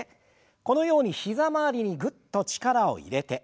このように膝周りにぐっと力を入れて。